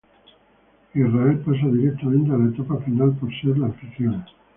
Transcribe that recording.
Israel pasa directamente a la etapa final por ser la anfitriona.